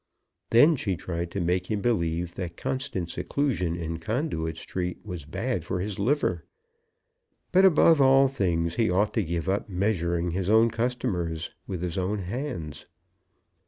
Then she tried to make him believe that constant seclusion in Conduit Street was bad for his liver. But above all things he ought to give up measuring his own customers with his own hands.